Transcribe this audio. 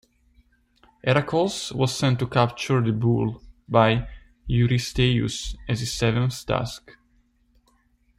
Heracles was sent to capture the bull by Eurystheus as his seventh task.